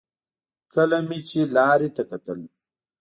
کله مې چې لارې ته کتل.